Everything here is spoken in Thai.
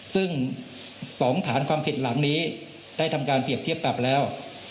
ซึ่ง๒ฐานความผิดหลังนี้ได้ทำการเปรียบเทียบปรับแล้ว